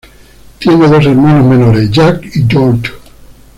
Tiene dos hermanos menores, Jack y George.